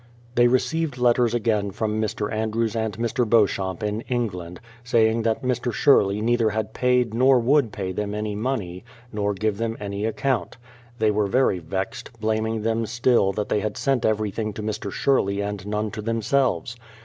They received letters again from Mr. Andrews and Mr. Beauchamp in England, saying that Mr. Sherley neither had paid nor would pay them any money, nor give them any account. They were very vexed, blaming them still that they had sent everything to Mr. Sherley and none to themselves.